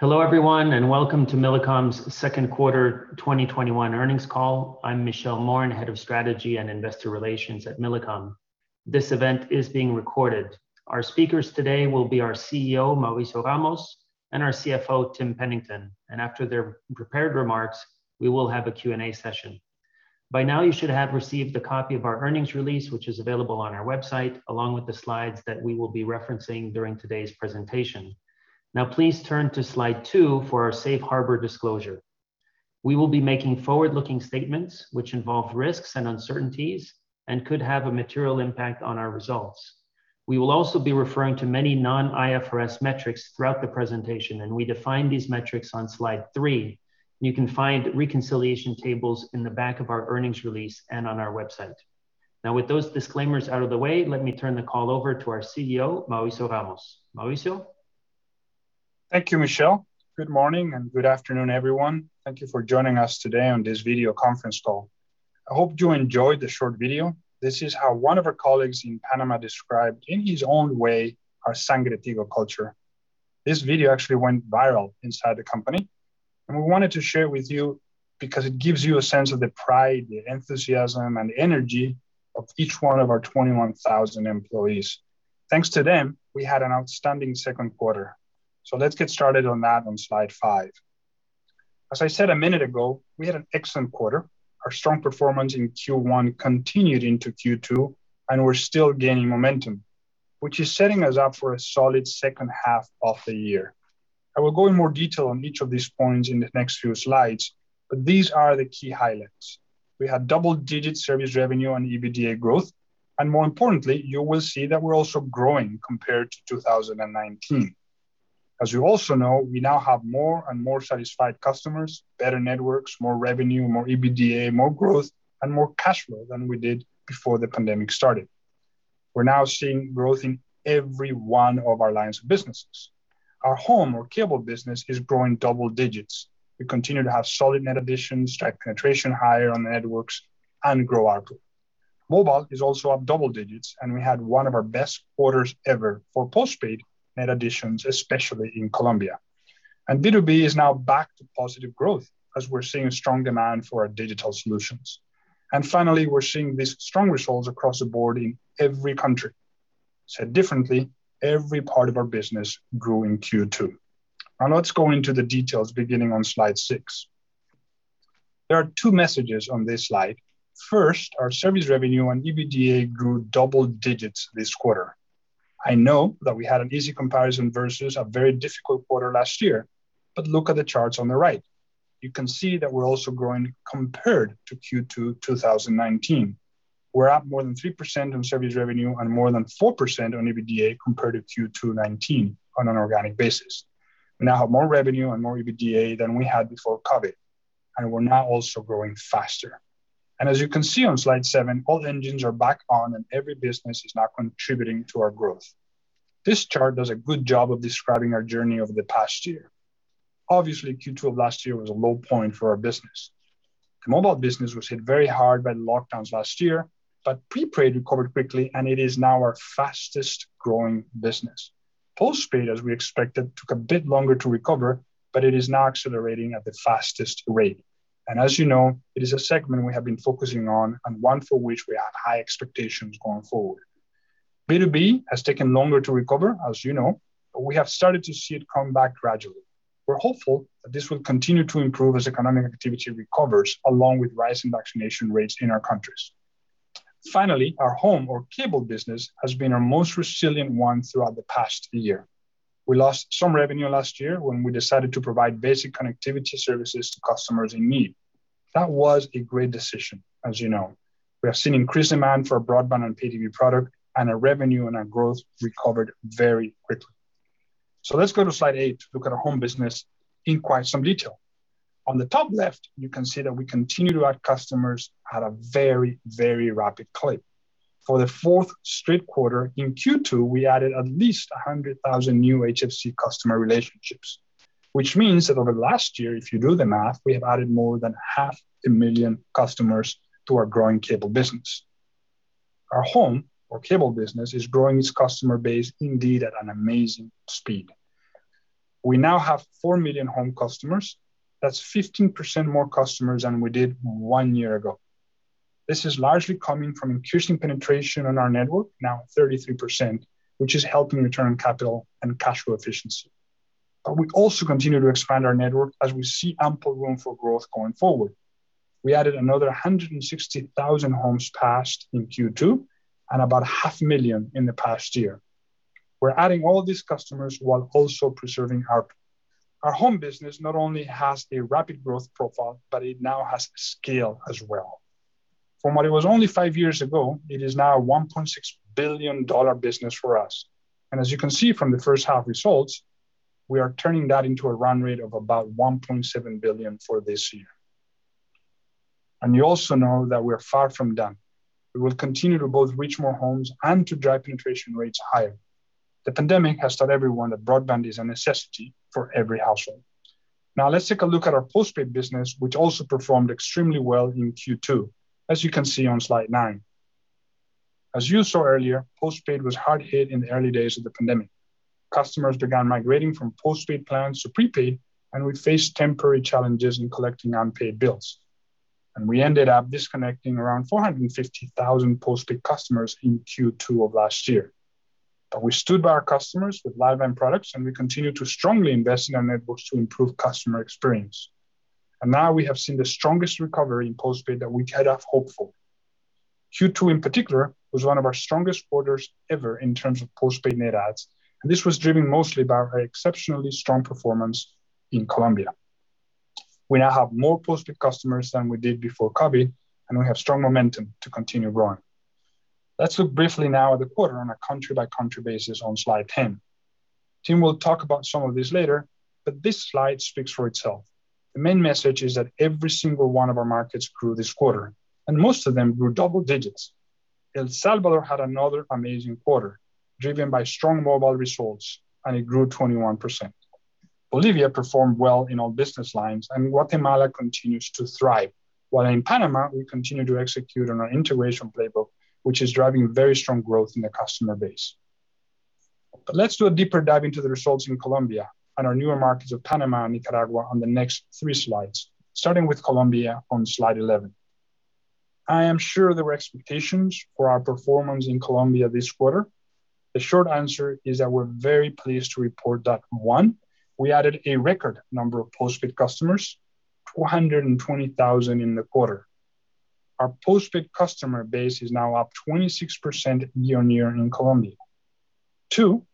Hello, everyone, and welcome to Millicom's second quarter 2021 earnings call. I'm Michel Morin, Head of Strategy and Investor Relations at Millicom. This event is being recorded. Our speakers today will be our CEO, Mauricio Ramos, and our CFO, Tim Pennington. After their prepared remarks, we will have a Q&A session. By now, you should have received a copy of our earnings release, which is available on our website, along with the slides that we will be referencing during today's presentation. Now please turn to slide two for our safe harbor disclosure. We will be making forward-looking statements which involve risks and uncertainties, and could have a material impact on our results. We will also be referring to many non-IFRS metrics throughout the presentation, and we define these metrics on slide three. You can find reconciliation tables in the back of our earnings release and on our website. Now, with those disclaimers out of the way, let me turn the call over to our CEO, Mauricio Ramos. Mauricio? Thank you, Michel. Good morning and good afternoon, everyone. Thank you for joining us today on this video conference call. I hope you enjoyed the short video. This is how one of our colleagues in Panama described, in his own way, our Sangre Tigo culture. This video actually went viral inside the company, and we wanted to share it with you because it gives you a sense of the pride, the enthusiasm, and energy of each one of our 21,000 employees. Thanks to them, we had an outstanding second quarter. Let's get started on that on slide five. As I said a minute ago, we had an excellent quarter. Our strong performance in Q1 continued into Q2, and we're still gaining momentum, which is setting us up for a solid second half of the year. I will go in more detail on each of these points in the next few slides, but these are the key highlights. We had double-digit service revenue and EBITDA growth, and more importantly, you will see that we're also growing compared to 2019. As you also know, we now have more and more satisfied customers, better networks, more revenue, more EBITDA, more growth, and more cash flow than we did before the pandemic started. We're now seeing growth in every one of our lines of businesses. Our home or cable business is growing double digits. We continue to have solid net additions, drive penetration higher on the networks, and grow ARPU. Mobile is also up double digits, and we had one of our best quarters ever for postpaid net additions, especially in Colombia. B2B is now back to positive growth as we're seeing strong demand for our digital solutions. Finally, we're seeing these strong results across the board in every country. Said differently, every part of our business grew in Q2. Let's go into the details beginning on slide six. There are two messages on this slide. First, our service revenue and EBITDA grew double digits this quarter. I know that we had an easy comparison versus a very difficult quarter last year, but look at the charts on the right. You can see that we're also growing compared to Q2 2019. We're up more than 3% on service revenue and more than 4% on EBITDA compared to Q2 2019 on an organic basis. We now have more revenue and more EBITDA than we had before COVID, and we're now also growing faster. As you can see on slide seven, all engines are back on and every business is now contributing to our growth. This chart does a good job of describing our journey over the past year. Obviously, Q2 of last year was a low point for our business. The mobile business was hit very hard by the lockdowns last year, but prepaid recovered quickly and it is now our fastest-growing business. Postpaid, as we expected, took a bit longer to recover, but it is now accelerating at the fastest rate. As you know, it is a segment we have been focusing on, and one for which we have high expectations going forward. B2B has taken longer to recover, as you know. We have started to see it come back gradually. We're hopeful that this will continue to improve as economic activity recovers, along with rising vaccination rates in our countries. Finally, our home or cable business has been our most resilient one throughout the past year. We lost some revenue last year when we decided to provide basic connectivity services to customers in need. That was a great decision, as you know. We have seen increased demand for broadband and Pay TV product, and our revenue and our growth recovered very quickly. Let's go to slide eight to look at our home business in quite some detail. On the top left, you can see that we continue to add customers at a very rapid clip. For the 4th straight quarter, in Q2, we added at least 100,000 new HFC customer relationships, which means that over the last year, if you do the math, we have added more than half a million customers to our growing cable business. Our home or cable business is growing its customer base indeed at an amazing speed. We now have 4 million home customers. That's 15% more customers than we did one year ago. This is largely coming from increasing penetration on our network, now at 33%, which is helping return capital and cash flow efficiency. We also continue to expand our network as we see ample room for growth going forward. We added another 160,000 homes passed in Q2, and about 500,000 in the past year. We're adding all these customers while also preserving ARPU. Our home business not only has a rapid growth profile, but it now has scale as well. From what it was only five years ago, it is now a $1.6 billion business for us. As you can see from the first half results, we are turning that into a run rate of about $1.7 billion for this year. You also know that we're far from done. We will continue to both reach more homes and to drive penetration rates higher. The pandemic has taught everyone that broadband is a necessity for every household. Let's take a look at our postpaid business, which also performed extremely well in Q2, as you can see on slide nine. As you saw earlier, postpaid was hard hit in the early days of the pandemic. Customers began migrating from postpaid plans to prepaid, and we faced temporary challenges in collecting unpaid bills. We ended up disconnecting around 450,000 postpaid customers in Q2 of last year. We stood by our customers with lifeline products, and we continue to strongly invest in our networks to improve customer experience. Now we have seen the strongest recovery in postpaid that we could have hoped for. Q2 in particular was one of our strongest quarters ever in terms of postpaid net adds, and this was driven mostly by our exceptionally strong performance in Colombia. We now have more postpaid customers than we did before COVID, and we have strong momentum to continue growing. Let's look briefly now at the quarter on a country-by-country basis on slide 10. Tim will talk about some of this later, but this slide speaks for itself. The main message is that every single one of our markets grew this quarter, and most of them grew double digits. El Salvador had another amazing quarter, driven by strong mobile results, and it grew 21%. Bolivia performed well in all business lines, and Guatemala continues to thrive. While in Panama, we continue to execute on our integration playbook, which is driving very strong growth in the customer base. Let's do a deeper dive into the results in Colombia and our newer markets of Panama and Nicaragua on the next three slides, starting with Colombia on slide 11. I am sure there were expectations for our performance in Colombia this quarter. The short answer is that we're very pleased to report that, one, we added a record number of postpaid customers, 220,000 in the quarter. Our postpaid customer base is now up 26% year-on-year in Colombia. Two,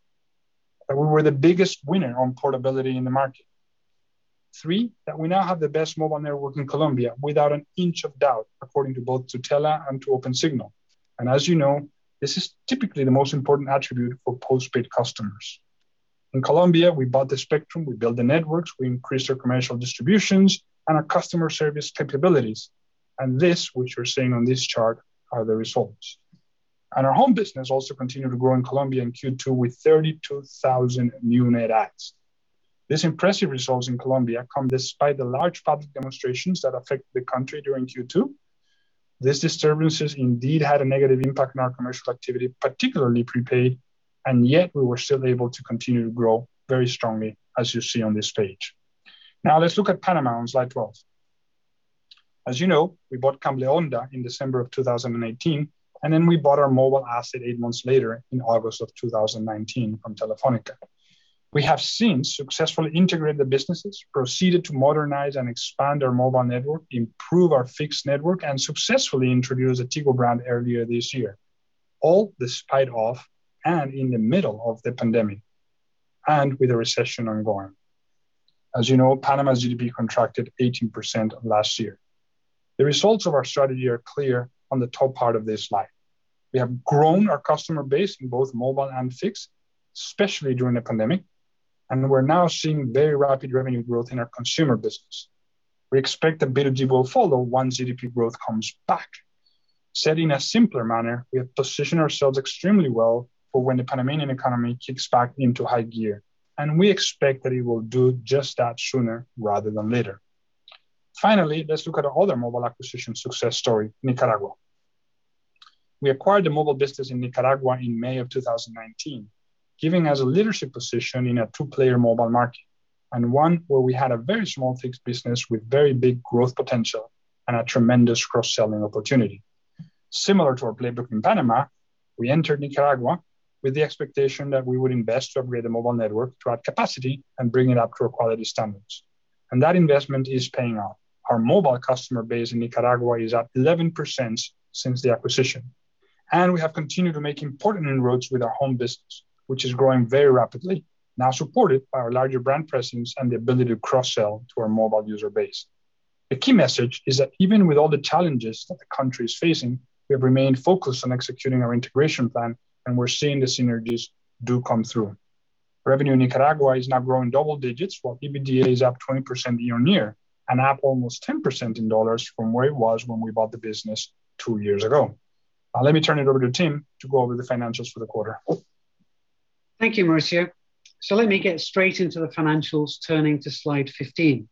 that we were the biggest winner on portability in the market. Three, that we now have the best mobile network in Colombia without an inch of doubt, according to both Tutela and to Opensignal. As you know, this is typically the most important attribute for postpaid customers. In Colombia, we bought the spectrum, we built the networks, we increased our commercial distributions and our customer service capabilities. This, which we're seeing on this chart, are the results. Our home business also continued to grow in Colombia in Q2 with 32,000 new net adds. These impressive results in Colombia come despite the large public demonstrations that affected the country during Q2. These disturbances indeed had a negative impact on our commercial activity, particularly prepaid, and yet we were still able to continue to grow very strongly, as you see on this page. Now let's look at Panama on slide 12. As you know, we bought Cable Onda in December of 2018, and then we bought our mobile asset eight months later in August of 2019 from Telefónica. We have since successfully integrated the businesses, proceeded to modernize and expand our mobile network, improve our fixed network, and successfully introduced the Tigo brand earlier this year. All despite of, and in the middle of the pandemic, and with a recession ongoing. As you know, Panama's GDP contracted 18% last year. The results of our strategy are clear on the top part of this slide. We have grown our customer base in both mobile and fixed, especially during the pandemic, and we're now seeing very rapid revenue growth in our consumer business. We expect [ability] will follow once GDP growth comes back. Said in a simpler manner, we have positioned ourselves extremely well for when the Panamanian economy kicks back into high gear. We expect that it will do just that sooner rather than later. Finally, let's look at our other mobile acquisition success story, Nicaragua. We acquired the mobile business in Nicaragua in May of 2019, giving us a leadership position in a two-player mobile market, and one where we had a very small fixed business with very big growth potential and a tremendous cross-selling opportunity. Similar to our playbook in Panama, we entered Nicaragua with the expectation that we would invest to upgrade the mobile network to add capacity and bring it up to our quality standards. That investment is paying off. Our mobile customer base in Nicaragua is up 11% since the acquisition, and we have continued to make important inroads with our home business, which is growing very rapidly, now supported by our larger brand presence and the ability to cross-sell to our mobile user base. The key message is that even with all the challenges that the country is facing, we have remained focused on executing our integration plan, and we're seeing the synergies do come through. Revenue in Nicaragua is now growing double digits, while EBITDA is up 20% year-on-year, and up almost 10% in dollars from where it was when we bought the business two years ago. Let me turn it over to Tim to go over the financials for the quarter. Thank you, Mauricio. Let me get straight into the financials, turning to slide 15.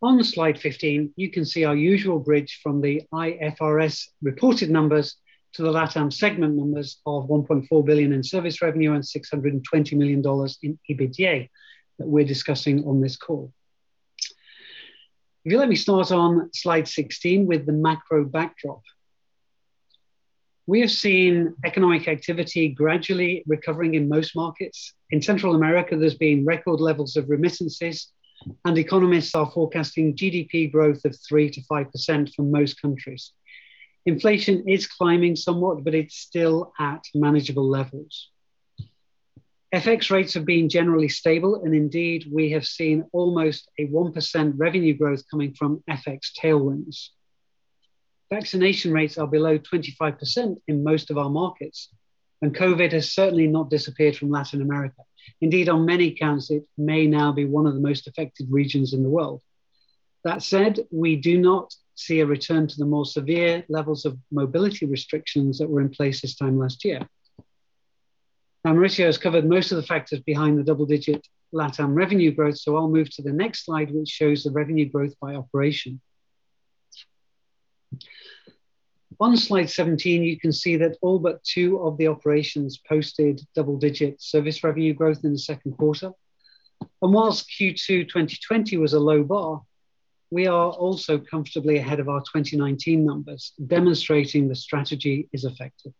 On slide 15, you can see our usual bridge from the IFRS reported numbers to the LatAm segment numbers of $1.4 billion in service revenue and $620 million in EBITDA that we're discussing on this call. If you'll let me start on slide 16 with the macro backdrop. We have seen economic activity gradually recovering in most markets. In Central America, there's been record levels of remittances, and economists are forecasting GDP growth of 3%-5% for most countries. Inflation is climbing somewhat, but it's still at manageable levels. FX rates have been generally stable, and indeed, we have seen almost a 1% revenue growth coming from FX tailwinds. Vaccination rates are below 25% in most of our markets, and COVID has certainly not disappeared from Latin America. Indeed, on many counts, it may now be one of the most affected regions in the world. That said, we do not see a return to the more severe levels of mobility restrictions that were in place this time last year. Mauricio has covered most of the factors behind the double-digit LatAm revenue growth, so I'll move to the next slide, which shows the revenue growth by operation. On slide 17, you can see that all but two of the operations posted double digits service revenue growth in the second quarter. Whilst Q2 2020 was a low bar, we are also comfortably ahead of our 2019 numbers, demonstrating the strategy is effective.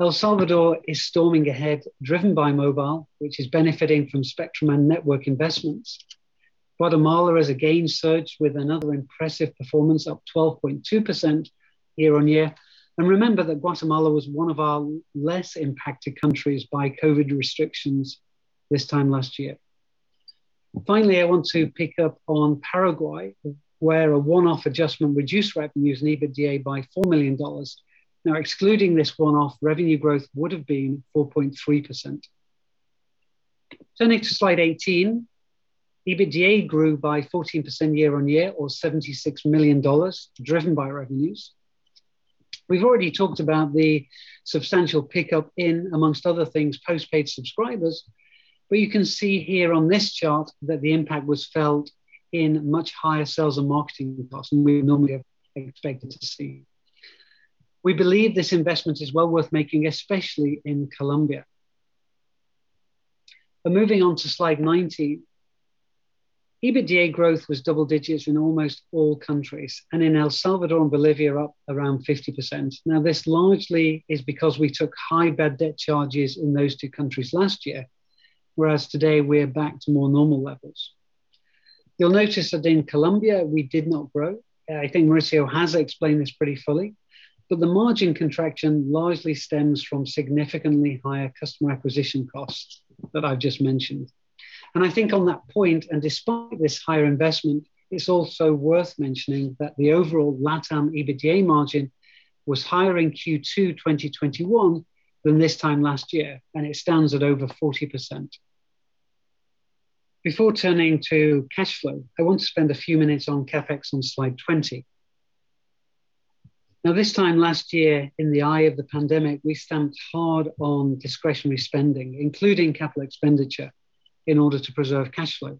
El Salvador is storming ahead, driven by mobile, which is benefiting from spectrum and network investments. Guatemala has again surged with another impressive performance, up 12.2% year-on-year. Remember that Guatemala was one of our less impacted countries by COVID restrictions this time last year. Finally, I want to pick up on Paraguay, where a one-off adjustment reduced revenues and EBITDA by $4 million. Excluding this one-off, revenue growth would've been 4.3%. Next to slide 18. EBITDA grew by 14% year-on-year, or $76 million, driven by revenues. We've already talked about the substantial pickup in, amongst other things, postpaid subscribers. You can see here on this chart that the impact was felt in much higher sales and marketing costs than we normally have expected to see. We believe this investment is well worth making, especially in Colombia. Moving on to slide 19. EBITDA growth was double digits in almost all countries, and in El Salvador and Bolivia up around 50%. This largely is because we took high bad debt charges in those two countries last year, whereas today we are back to more normal levels. You'll notice that in Colombia we did not grow. I think Mauricio has explained this pretty fully. The margin contraction largely stems from significantly higher customer acquisition costs that I've just mentioned. I think on that point, and despite this higher investment, it's also worth mentioning that the overall LatAm EBITDA margin was higher in Q2 2021 than this time last year, and it stands at over 40%. Before turning to cash flow, I want to spend a few minutes on CapEx on slide 20. This time last year in the eye of the pandemic, we stamped hard on discretionary spending, including capital expenditure, in order to preserve cash flow.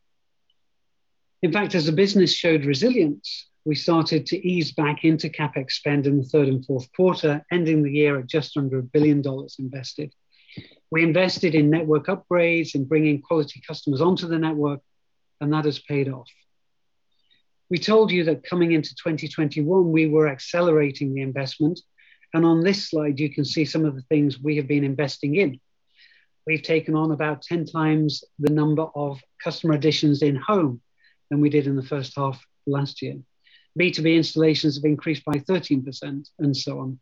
As the business showed resilience, we started to ease back into CapEx spend in the third and fourth quarter, ending the year at just under billion invested. We invested in network upgrades and bringing quality customers onto the network, that has paid off. We told you that coming into 2021, we were accelerating the investment, on this slide, you can see some of the things we have been investing in. We've taken on about 10 times the number of customer additions in Home than we did in the first half of last year. B2B installations have increased by 13%, so on.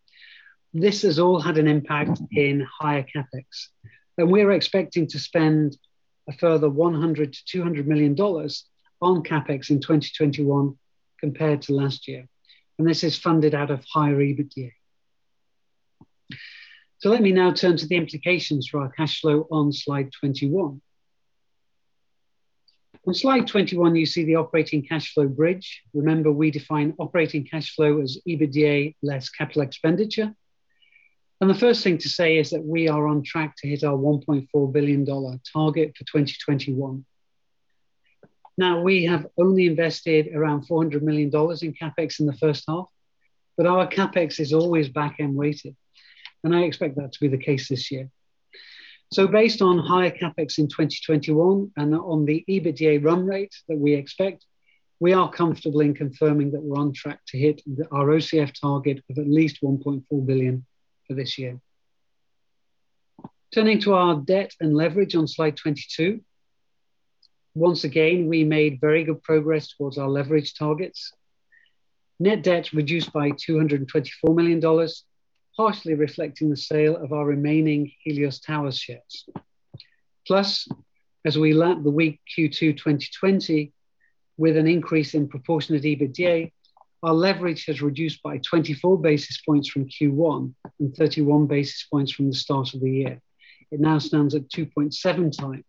This has all had an impact in higher CapEx. We're expecting to spend a further $100 million-$200 million on CapEx in 2021 compared to last year, this is funded out of higher EBITDA. Let me now turn to the implications for our cash flow on slide 21. On slide 21, you see the operating cash flow bridge. Remember, we define operating cash flow as EBITDA less capital expenditure. The first thing to say is that we are on track to hit our $1.4 billion target for 2021. We have only invested around $400 million in CapEx in the first half, our CapEx is always back-end weighted, I expect that to be the case this year. Based on higher CapEx in 2021, on the EBITDA run rate that we expect, we are comfortable in confirming that we're on track to hit our OCF target of at least $1.4 billion for this year. Turning to our debt and leverage on slide 22. Once again, we made very good progress towards our leverage targets. Net debt reduced by $224 million, partially reflecting the sale of our remaining Helios Towers shares. As we lap the weak Q2 2020 with an increase in proportionate EBITDA, our leverage has reduced by 24 basis points from Q1 and 31 basis points from the start of the year. It now stands at 2.7x.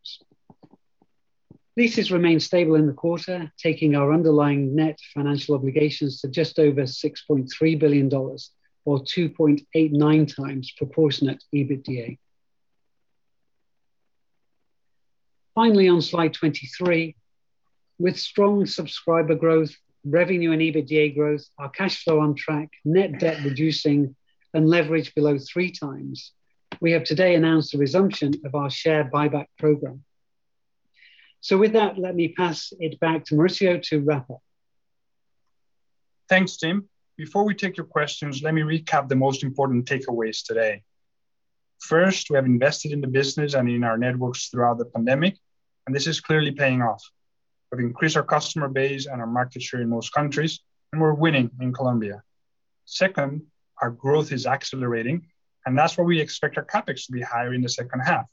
Leases remained stable in the quarter, taking our underlying net financial obligations to just over $6.3 billion, or 2.89x proportionate EBITDA. On slide 23. With strong subscriber growth, revenue and EBITDA growth, our cash flow on track, net debt reducing, and leverage below 3x, we have today announced a resumption of our share buyback program. With that, let me pass it back to Mauricio to wrap up. Thanks, Tim. Before we take your questions, let me recap the most important takeaways today. First, we have invested in the business and in our networks throughout the pandemic, and this is clearly paying off. We've increased our customer base and our market share in most countries, and we're winning in Colombia. Second, our growth is accelerating, and that's why we expect our CapEx to be higher in the second half,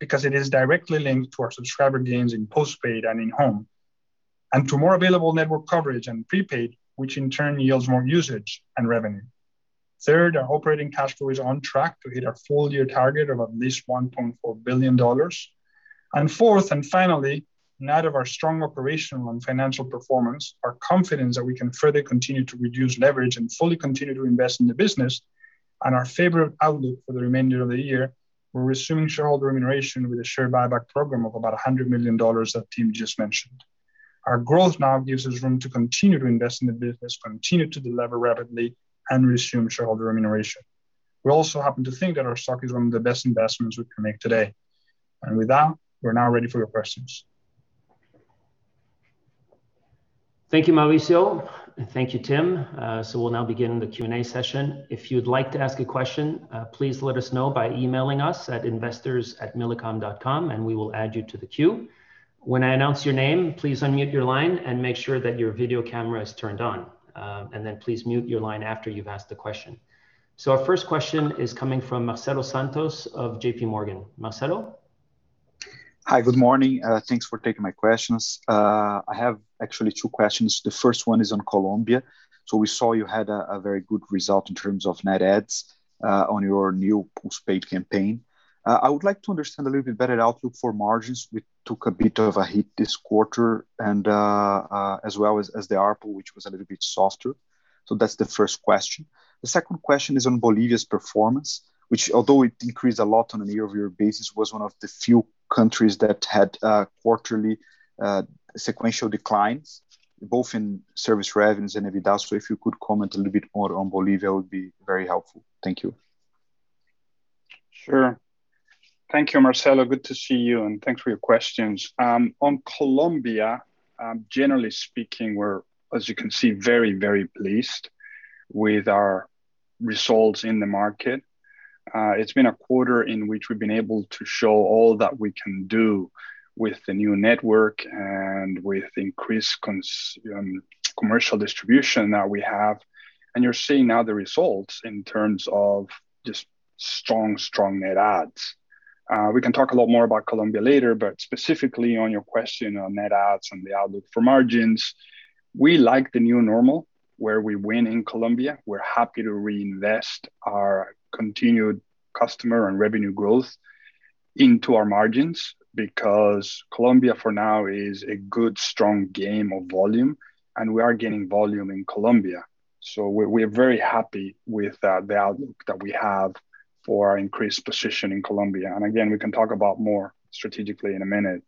because it is directly linked to our subscriber gains in postpaid and in-home, and to more available network coverage and prepaid, which in turn yields more usage and revenue. Third, our operating cash flow is on track to hit our full-year target of at least $1.4 billion. Fourth, and finally, in light of our strong operational and financial performance, our confidence that we can further continue to reduce leverage and fully continue to invest in the business, and our favorable outlook for the remainder of the year, we're resuming shareholder remuneration with a share buyback program of about $100 million that Tim just mentioned. Our growth now gives us room to continue to invest in the business, continue to delever rapidly, and resume shareholder remuneration. We also happen to think that our stock is one of the best investments we can make today. With that, we're now ready for your questions. Thank you, Mauricio. Thank you, Tim. We'll now begin the Q&A session. If you'd like to ask a question, please let us know by emailing us at investors@millicom.com and we will add you to the queue. When I announce your name, please unmute your line and make sure that your video camera is turned on. Then please mute your line after you've asked the question. Our first question is coming from Marcelo Santos of JPMorgan. Marcelo? Hi. Good morning. Thanks for taking my questions. I have actually two questions. The first one is on Colombia. We saw you had a very good result in terms of net adds on your new postpaid campaign. I would like to understand a little bit better the outlook for margins, which took a bit of a hit this quarter, and as well as the ARPU, which was a little bit softer. That's the first question. The second question is on Bolivia's performance, which although it decreased a lot on a year-over-year basis, was one of the few countries that had quarterly sequential declines, both in service revenues and EBITDA. If you could comment a little bit more on Bolivia, it would be very helpful. Thank you. Sure. Thank you, Marcelo. Good to see you. Thanks for your questions. On Colombia, generally speaking, we're, as you can see, very pleased with our results in the market. It's been a quarter in which we've been able to show all that we can do with the new network and with increased commercial distribution that we have. You're seeing now the results in terms of just strong net adds. We can talk a lot more about Colombia later. Specifically on your question on net adds and the outlook for margins, we like the new normal where we win in Colombia. We're happy to reinvest our continued customer and revenue growth into our margins because Colombia, for now, is a good strong game of volume, and we are gaining volume in Colombia. We are very happy with the outlook that we have for our increased position in Colombia. Again, we can talk about more strategically in a minute.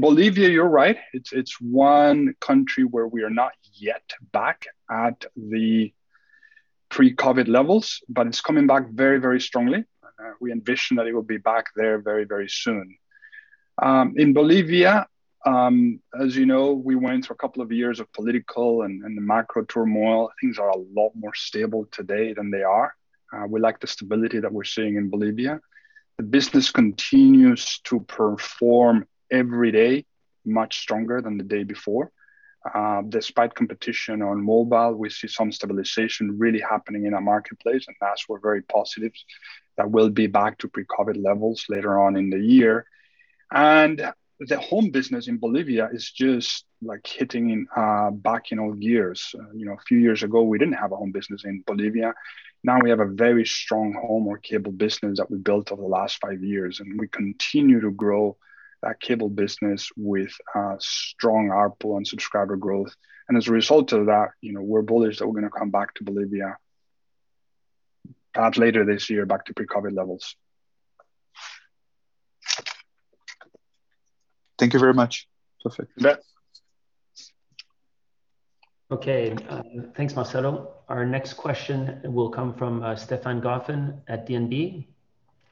Bolivia, you're right. It's one country where we are not yet back at the pre-COVID levels, but it's coming back very strongly. We envision that it will be back there very soon. In Bolivia, as you know, we went through a couple of years of political and the macro turmoil. Things are a lot more stable today than they are. We like the stability that we're seeing in Bolivia. The business continues to perform every day much stronger than the day before. Despite competition on mobile, we see some stabilization really happening in our marketplace, and that's why we're very positive that we'll be back to pre-COVID levels later on in the year. The home business in Bolivia is just hitting back in all gears. A few years ago, we didn't have a home business in Bolivia. Now we have a very strong home or cable business that we built over the last five years, and we continue to grow that cable business with strong ARPU and subscriber growth. As a result of that, we're bullish that we're going to come back to Bolivia, perhaps later this year, back to pre-COVID levels. Thank you very much. Perfect. Okay. Thanks, Marcelo. Our next question will come from Stefan Gauffin at DNB.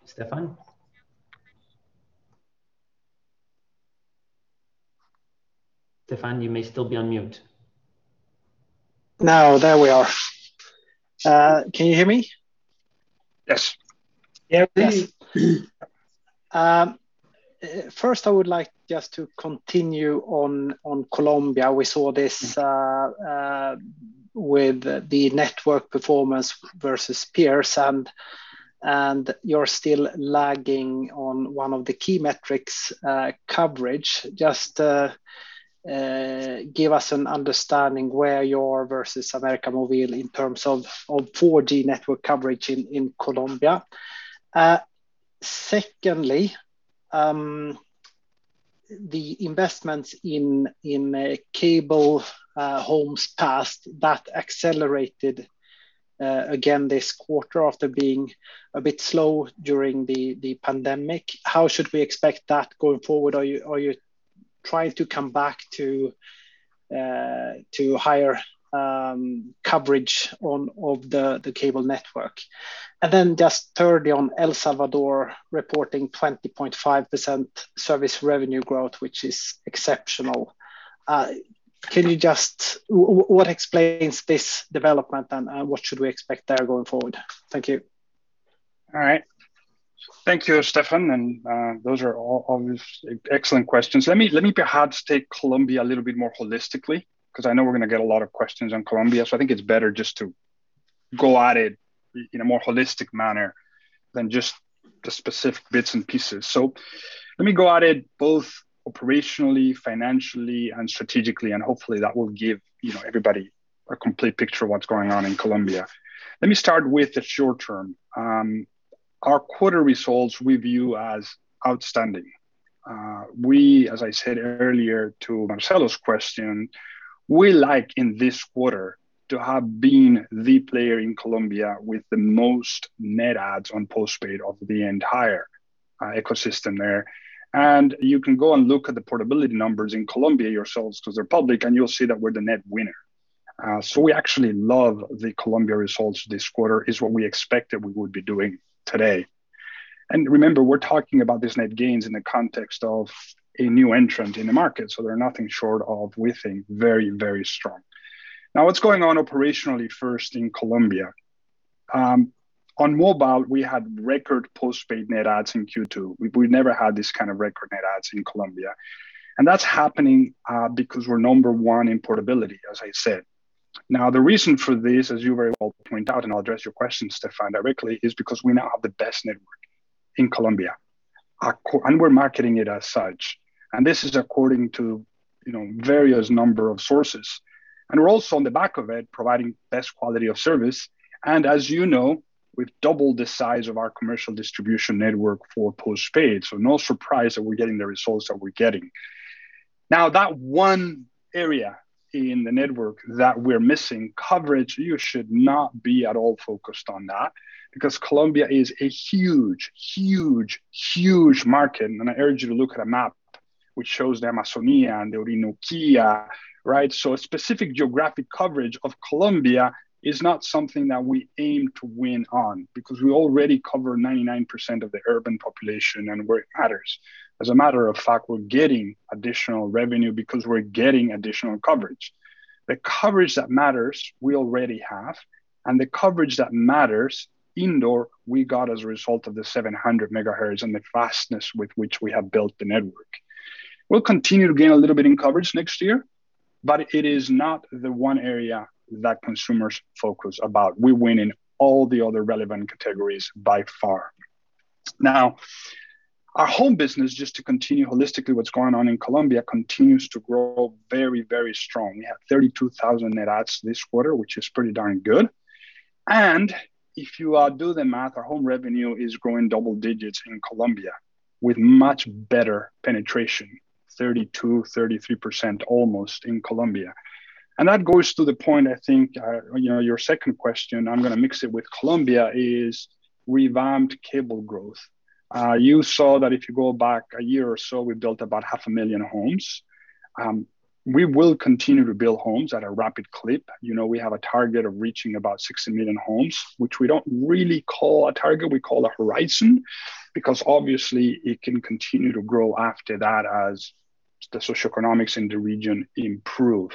Stefan? Stefan, you may still be on mute. Now, there we are. Can you hear me? Yes. Yeah, we can. First I would like just to continue on Colombia. We saw this with the network performance versus peers, and you're still lagging on one of the key metrics, coverage. Just give us an understanding where you are versus América Móvil in terms of 4G network coverage in Colombia. Secondly, the investments in cable homes passed, that accelerated again this quarter after being a bit slow during the pandemic. How should we expect that going forward? Are you trying to comeback to higher coverage of the cable network. Just thirdly on El Salvador reporting 20.5% service revenue growth, which is exceptional. What explains this development, and what should we expect there going forward? Thank you. All right. Thank you, Stefan. Those are all excellent questions. Let me perhaps take Colombia a little bit more holistically, because I know we're going to get a lot of questions on Colombia. I think it's better just to go at it in a more holistic manner than just the specific bits and pieces. Let me go at it both operationally, financially and strategically. Hopefully, that will give everybody a complete picture of what's going on in Colombia. Let me start with the short term. Our quarter results we view as outstanding. We, as I said earlier to Marcelo's question, we like in this quarter to have been the player in Colombia with the most net adds on postpaid of the entire ecosystem there. You can go and look at the portability numbers in Colombia yourselves because they're public, and you'll see that we're the net winner. We actually love the Colombia results this quarter, is what we expected we would be doing today. Remember, we're talking about these net gains in the context of a new entrant in the market. They're nothing short of, we think, very, very strong. Now, what's going on operationally first in Colombia. On mobile, we had record postpaid net adds in Q2. We never had this kind of record net adds in Colombia. That's happening because we're number one in portability, as I said. Now, the reason for this, as you very well point out, and I'll address your question, Stefan, directly, is because we now have the best network in Colombia, and we're marketing it as such. This is according to various number of sources. We're also on the back of it, providing best quality of service. As you know, we've doubled the size of our commercial distribution network for postpaid. No surprise that we're getting the results that we're getting. Now, that one area in the network that we're missing coverage, you should not be at all focused on that because Colombia is a huge, huge, huge market, and I urge you to look at a map which shows the Amazonia and the Orinoquia. A specific geographic coverage of Colombia is not something that we aim to win on because we already cover 99% of the urban population and where it matters. As a matter of fact, we're getting additional revenue because we're getting additional coverage. The coverage that matters we already have, and the coverage that matters indoor, we got as a result of the 700 MHz and the fastness with which we have built the network. We'll continue to gain a little bit in coverage next year, but it is not the one area that consumers focus about. We win in all the other relevant categories by far. Our home business, just to continue holistically what's going on in Colombia, continues to grow very, very strong. We have 32,000 net adds this quarter, which is pretty darn good. If you do the math, our home revenue is growing double digits in Colombia with much better penetration, 32%, 33% almost in Colombia. That goes to the point, I think, your second question, I'm going to mix it with Colombia, is revamped cable growth. You saw that if you go back a year or so, we built about half a million homes. We will continue to build homes at a rapid clip. We have a target of reaching about 16 million homes, which we don't really call a target, we call a horizon, because obviously it can continue to grow after that as the socioeconomics in the region improve.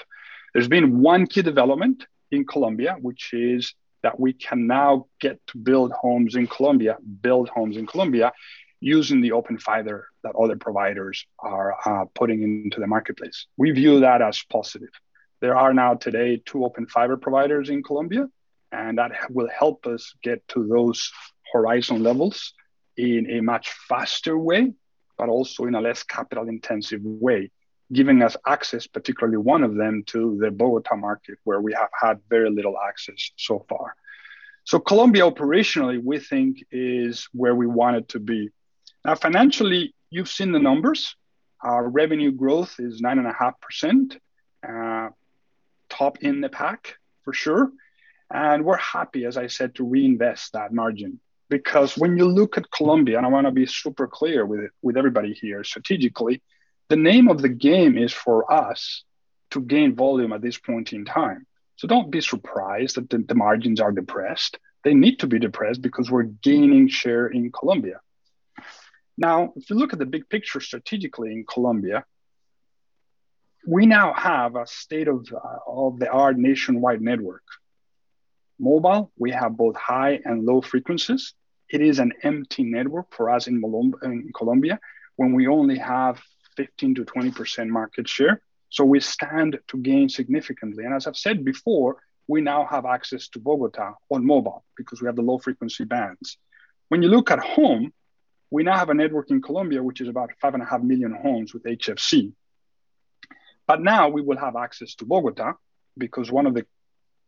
There's been one key development in Colombia, which is that we can now get to build homes in Colombia using the open fiber that other providers are putting into the marketplace. We view that as positive. There are now today two open fiber providers in Colombia, and that will help us get to those horizon levels in a much faster way, but also in a less capital-intensive way, giving us access, particularly one of them to the Bogotá market, where we have had very little access so far. Colombia operationally, we think is where we want it to be. Financially, you've seen the numbers. Our revenue growth is 9.5%, top in the pack for sure. We're happy, as I said, to reinvest that margin because when you look at Colombia, and I want to be super clear with everybody here strategically, the name of the game is for us to gain volume at this point in time. Don't be surprised that the margins are depressed. They need to be depressed because we're gaining share in Colombia. If you look at the big picture strategically in Colombia, we now have a state-of-the-art nationwide network. Mobile, we have both high and low frequencies. It is an empty network for us in Colombia, when we only have 15%-20% market share. As I've said before, we now have access to Bogotá on mobile because we have the low-frequency bands. When you look at home, we now have a network in Colombia, which is about 5.5 million homes with HFC. Now we will have access to Bogotá because one of the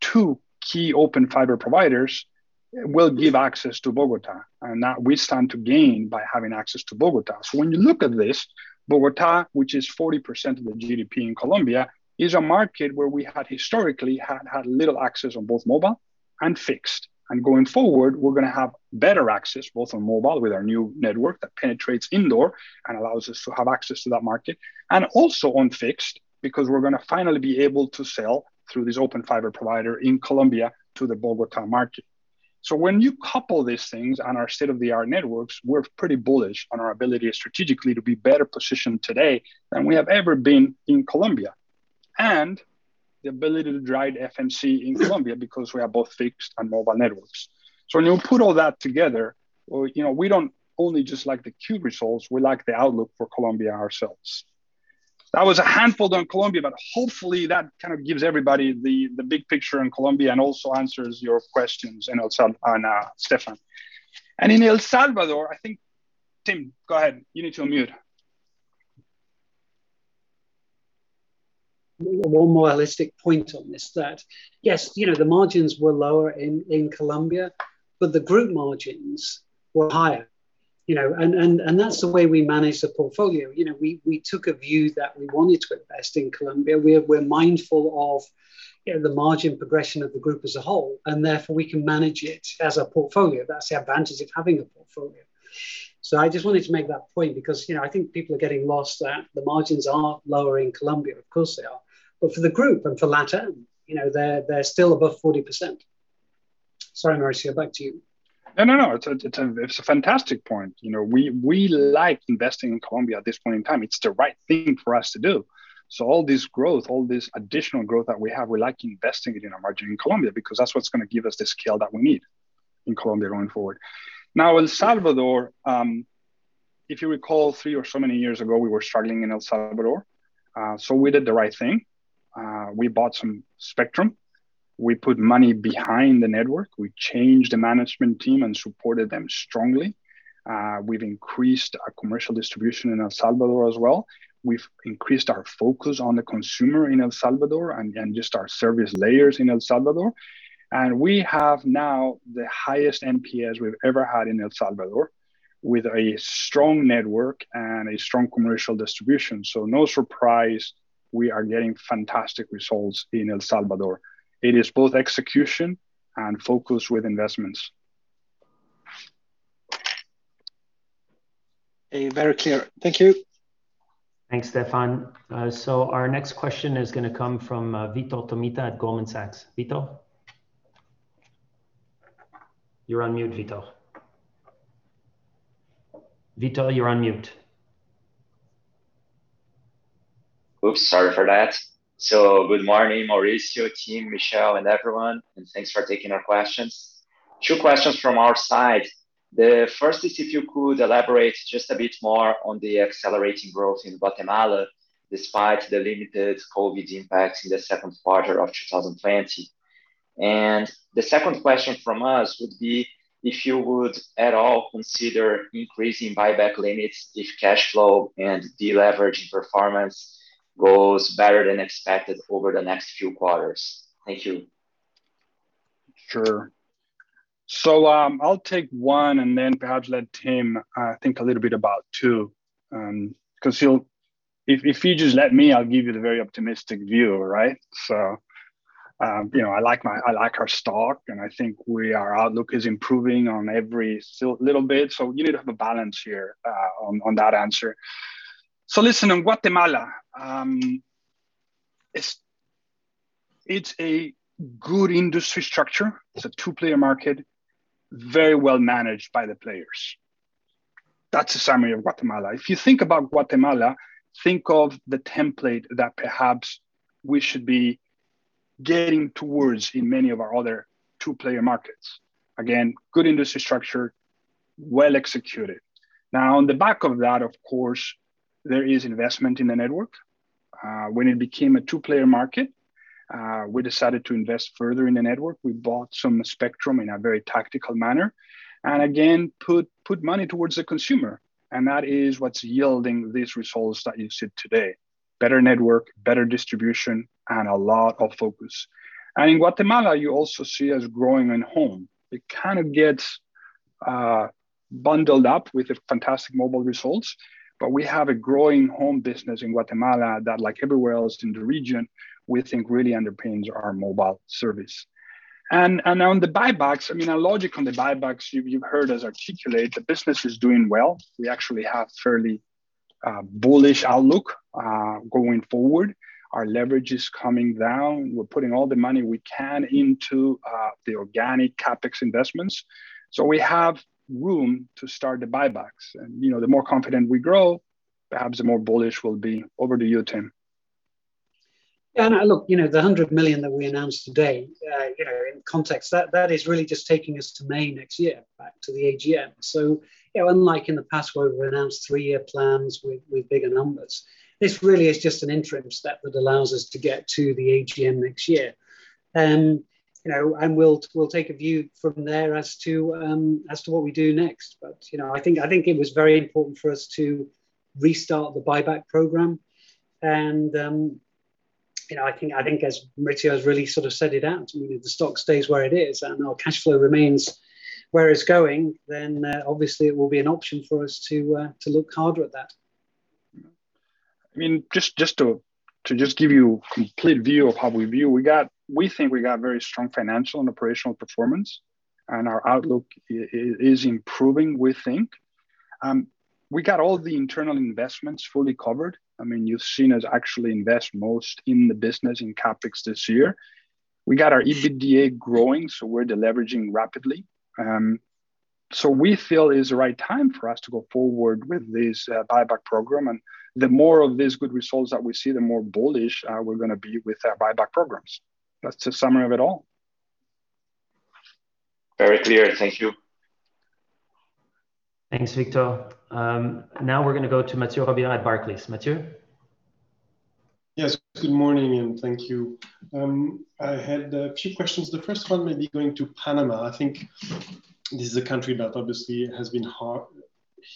two key open fiber providers will give access to Bogotá, and we stand to gain by having access to Bogotá. When you look at this, Bogotá, which is 40% of the GDP in Colombia, is a market where we historically had little access on both mobile and fixed. Going forward, we're going to have better access both on mobile with our new network that penetrates indoor and allows us to have access to that market, and also on fixed because we're going to finally be able to sell through this open fiber provider in Colombia to the Bogotá market. When you couple these things on our state-of-the-art networks, we're pretty bullish on our ability strategically to be better positioned today than we have ever been in Colombia. The ability to drive FMC in Colombia because we have both fixed and mobile networks. When you put all that together, we don't only just like the Q results, we like the outlook for Colombia ourselves. That was a handful on Colombia, but hopefully that gives everybody the big picture in Colombia and also answers your questions on Stefan. In El Salvador, I think, Tim, go ahead. You need to unmute. One more holistic point on this that, yes, the margins were lower in Colombia, but the group margins were higher. That's the way we manage the portfolio. We took a view that we wanted to invest in Colombia. We're mindful of the margin progression of the group as a whole, and therefore we can manage it as a portfolio. That's the advantage of having a portfolio. I just wanted to make that point because, I think people are getting lost that the margins are lower in Colombia. Of course, they are. For the group and for LatAm, they're still above 40%. Sorry, Mauricio, back to you. No, it's a fantastic point. We like investing in Colombia at this point in time. It's the right thing for us to do. All this growth, all this additional growth that we have, we like investing it in our margin in Colombia, because that's what's going to give us the scale that we need in Colombia going forward. El Salvador, if you recall, three or so many years ago, we were struggling in El Salvador. We did the right thing. We bought some spectrum. We put money behind the network. We changed the management team and supported them strongly. We've increased our commercial distribution in El Salvador as well. We've increased our focus on the consumer in El Salvador and just our service layers in El Salvador. We have now the highest NPS we've ever had in El Salvador, with a strong network and a strong commercial distribution. No surprise we are getting fantastic results in El Salvador. It is both execution and focus with investments. Very clear. Thank you. Thanks, Stefan. Our next question is going to come from Vitor Tomita at Goldman Sachs. Vitor. You're on mute, Vitor. Vitor, you're on mute. Oops, sorry for that. Good morning, Mauricio, Tim, Michel, and everyone, and thanks for taking our questions. Two questions from our side. The first is if you could elaborate just a bit more on the accelerating growth in Guatemala, despite the limited COVID impacts in the second quarter of 2020. The second question from us would be if you would at all consider increasing buyback limits if cash flow and deleveraging performance goes better than expected over the next few quarters. Thank you. Sure. I'll take one and then perhaps let Tim think a little bit about two. Because if he just let me, I'll give you the very optimistic view, right? Listen, on Guatemala, it's a good industry structure. It's a two-player market, very well managed by the players. That's a summary of Guatemala. If you think about Guatemala, think of the template that perhaps we should be getting towards in many of our other two-player markets. Again, good industry structure, well executed. On the back of that, of course, there is investment in the network. When it became a two-player market, we decided to invest further in the network. We bought some spectrum in a very tactical manner, and again, put money towards the consumer, and that is what's yielding these results that you see today. Better network, better distribution, and a lot of focus. In Guatemala, you also see us growing in home. It kind of gets bundled up with the fantastic mobile results, we have a growing home business in Guatemala that, like everywhere else in the region, we think really underpins our mobile service. On the buybacks, our logic on the buybacks, you've heard us articulate the business is doing well. We actually have fairly bullish outlook, going forward. Our leverage is coming down. We're putting all the money we can into the organic CapEx investments. We have room to start the buybacks. The more confident we grow, perhaps the more bullish we'll be. Over to you, Tim. The $100 million that we announced today, in context, that is really just taking us to May next year, back to the AGM. Unlike in the past where we've announced three-year plans with bigger numbers, this really is just an interim step that allows us to get to the AGM next year. We'll take a view from there as to what we do next. I think it was very important for us to restart the buyback program. I think as Mauricio has really sort of set it out, if the stock stays where it is and our cash flow remains where it's going, then obviously it will be an option for us to look harder at that. To just give you a complete view of how we view, we think we got very strong financial and operational performance, and our outlook is improving, we think. We got all the internal investments fully covered. You've seen us actually invest most in the business in CapEx this year. We got our EBITDA growing, we're deleveraging rapidly. We feel it's the right time for us to go forward with this buyback program. The more of these good results that we see, the more bullish we're going to be with our buyback programs. That's the summary of it all. Very clear. Thank you. Thanks, Vitor. Now we're going to go to Mathieu Robilliard at Barclays. Mathieu? Yes. Good morning, and thank you. I had two questions. The first one may be going to Panama. I think this is a country that obviously has been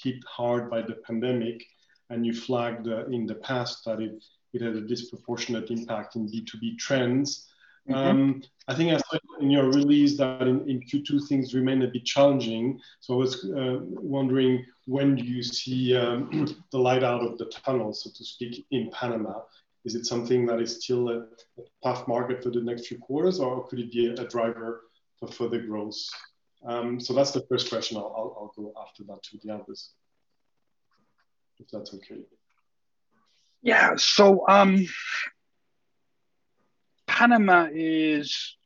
hit hard by the pandemic, and you flagged in the past that it had a disproportionate impact on B2B trends. I think I saw in your release that in Q2 things remain a bit challenging. I was wondering, when do you see the light out of the tunnel, so to speak, in Panama? Is it something that is still a tough market for the next few quarters, or could it be a driver for further growth? That's the first question. I'll go after that to the others. If that's okay. Yeah. Panama is,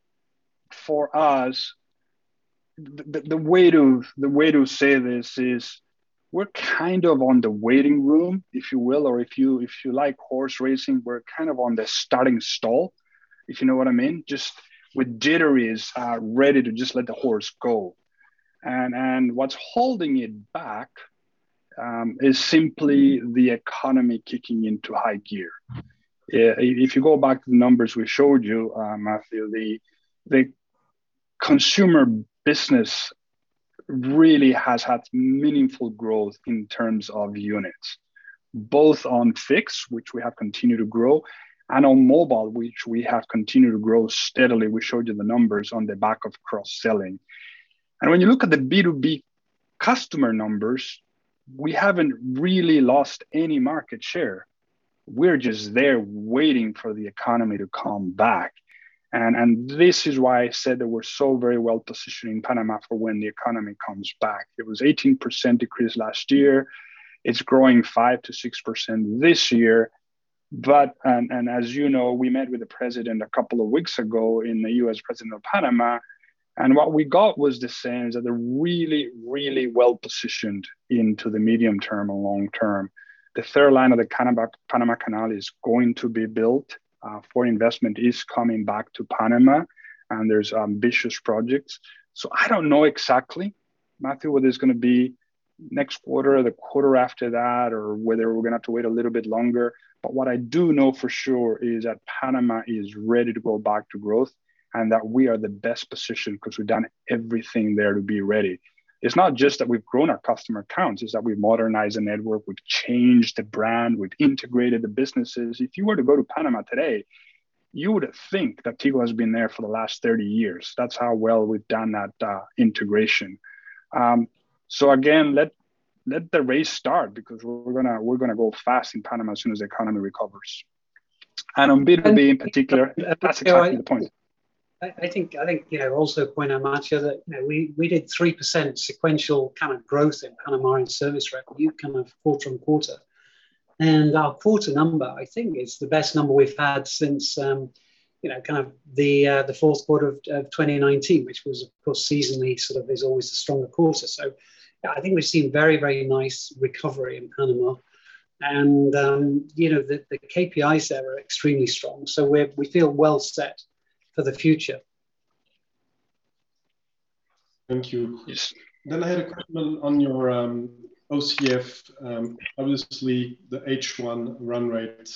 for us, the way to say this is we're on the waiting room, if you will, or if you like horse racing, we're on the starting stall, if you know what I mean. Just with jitteries, ready to just let the horse go. What's holding it back is simply the economy kicking into high gear. If you go back to the numbers we showed you, Mathieu, the consumer business really has had meaningful growth in terms of units, both on fixed, which we have continued to grow, and on mobile, which we have continued to grow steadily. We showed you the numbers on the back of cross-selling. When you look at the B2B customer numbers, we haven't really lost any market share. We're just there waiting for the economy to come back. This is why I said that we're so very well-positioned in Panama for when the economy comes back. It was 18% decrease last year. It's growing 5%-6% this year. As you know, we met with the president a couple of weeks ago in the U.S., president of Panama, and what we got was the sense that they're really, really well-positioned into the medium term or long term. The third line of the Panama Canal is going to be built. Foreign investment is coming back to Panama, and there's ambitious projects. I don't know exactly, Mathieu, whether it's going to be next quarter or the quarter after that, or whether we're going to have to wait a little bit longer. What I do know for sure is that Panama is ready to go back to growth and that we are the best positioned because we've done everything there to be ready. It's not just that we've grown our customer counts, it's that we've modernized the network, we've changed the brand, we've integrated the businesses. If you were to go to Panama today, you would think that Tigo has been there for the last 30 years. That's how well we've done that integration. Again, let the race start because we're going to go fast in Panama as soon as the economy recovers. On B2B in particular, that's exactly the point. I think, also to point out, Mathieu, that we did 3% sequential kind of growth in Panamanian service revenue quarter on quarter. Our quarter number, I think, is the best number we've had since the fourth quarter of 2019, which was, of course, seasonally sort of is always the stronger quarter. I think we've seen very, very nice recovery in Panama. The KPIs there are extremely strong. We feel well set for the future. Thank you. Yes. I had a question on your OCF. Obviously, the H1 run rate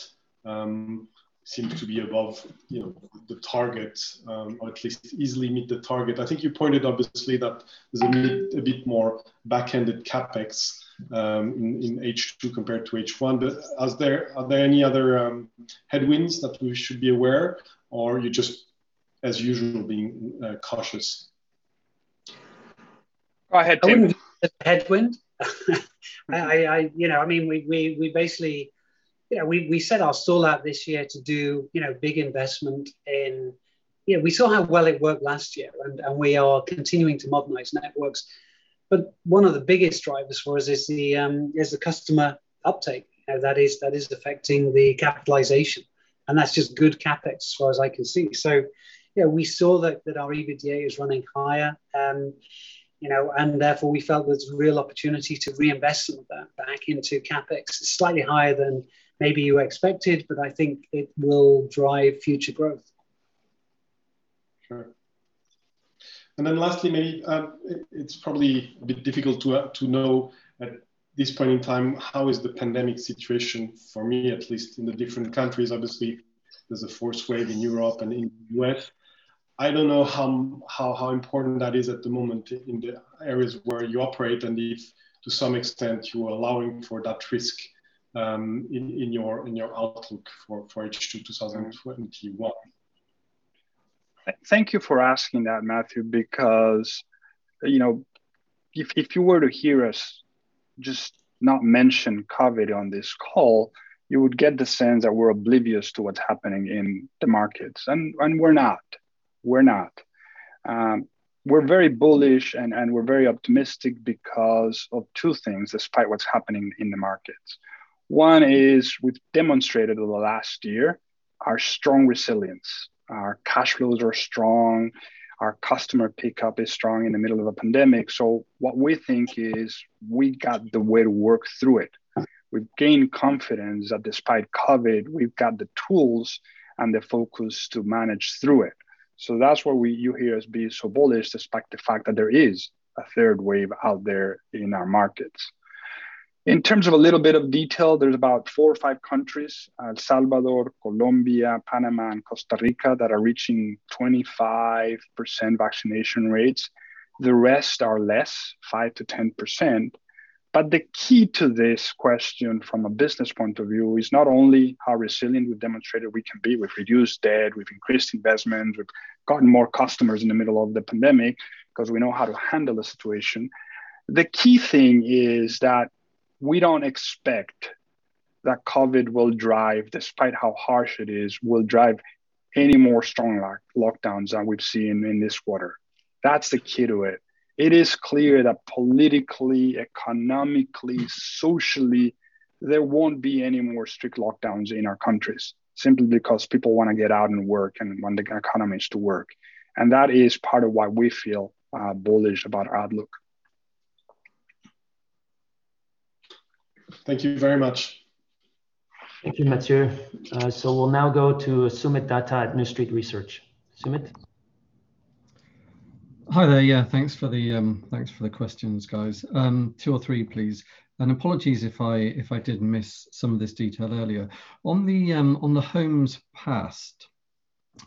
seems to be above the target, or at least easily meet the target. I think you pointed out, obviously, that there's a need a bit more back-ended CapEx in H2 compared to H1. Are there any other headwinds that we should be aware of or are you just, as usual, being cautious? Go ahead, Tim. A headwind? We set our stall out this year to do big investment in We saw how well it worked last year, and we are continuing to modernize networks. One of the biggest drivers for us is the customer uptake. That is affecting the capitalization, and that's just good CapEx as far as I can see. We saw that our EBITDA is running higher, and therefore we felt there was a real opportunity to reinvest some of that back into CapEx. Slightly higher than maybe you expected, I think it will drive future growth. Sure. Lastly, maybe it's probably a bit difficult to know at this point in time, how is the pandemic situation, for me at least, in the different countries? There's a fourth wave in Europe and in the U.S. I don't know how important that is at the moment in the areas where you operate and if, to some extent, you're allowing for that risk in your outlook for H2 2021. Thank you for asking that, Mathieu, because if you were to hear us just not mention COVID on this call, you would get the sense that we're oblivious to what's happening in the markets. We're not. We're very bullish. We're very optimistic because of two things, despite what's happening in the markets. One, is we've demonstrated over the last year our strong resilience. Our cash flows are strong, our customer pickup is strong in the middle of a pandemic. What we think is we've got the way to work through it. We've gained confidence that despite COVID, we've got the tools and the focus to manage through it. That's why you hear us being so bullish despite the fact that there is a third wave out there in our markets. In terms of a little bit of detail, there's about four or five countries, El Salvador, Colombia, Panama, and Costa Rica, that are reaching 25% vaccination rates. The rest are less, 5%-10%. The key to this question from a business point of view is not only how resilient we've demonstrated we can be. We've reduced debt, we've increased investment, we've gotten more customers in the middle of the pandemic because we know how to handle the situation. The key thing is that we don't expect that COVID will drive, despite how harsh it is, will drive any more strong lockdowns than we've seen in this quarter. That's the key to it. It is clear that politically, economically, socially, there won't be any more strict lockdowns in our countries simply because people want to get out and work and want the economies to work. That is part of why we feel bullish about our outlook. Thank you very much. Thank you, Mathieu. We'll now go to Soomit Datta at New Street Research. Soomit? Hi there. Yeah, thanks for the questions, guys. two or three, please. Apologies if I did miss some of this detail earlier. On the homes passed,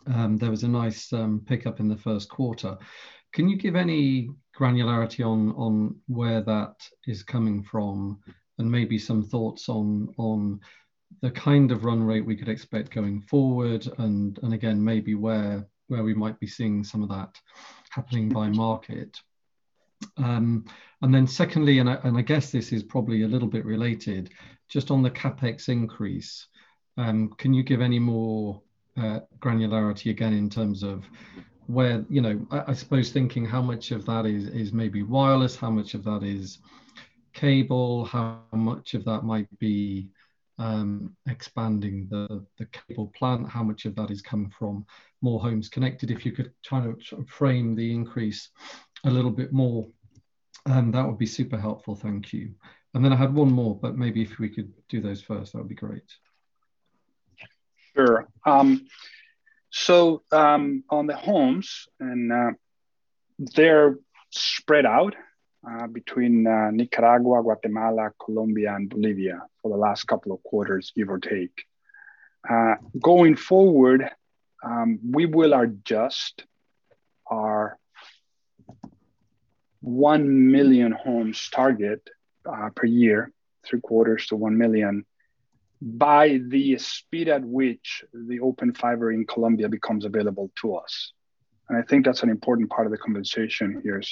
there was a nice pickup in the 1st quarter. Can you give any granularity on where that is coming from and maybe some thoughts on the kind of run rate we could expect going forward and, again, maybe where we might be seeing some of that happening by market? Secondly, and I guess this is probably a little bit related, just on the CapEx increase, can you give any more granularity, again, in terms of where I suppose thinking how much of that is maybe wireless, how much of that is cable, how much of that might be expanding the cable plant, how much of that is coming from more homes connected? If you could try to frame the increase a little bit more, that would be super helpful. Thank you. I had one more, but maybe if we could do those first, that would be great. Sure. On the homes, and they're spread out between Nicaragua, Guatemala, Colombia, and Bolivia for the last couple of quarters, give or take. Going forward, we will adjust our 1 million homes target per year, three quarters to 1 million, by the speed at which the open fiber in Colombia becomes available to us. I think that's an important part of the conversation here,